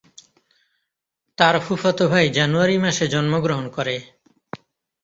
তার ফুফাতো ভাই জানুয়ারি মাসে জন্মগ্রহণ করে।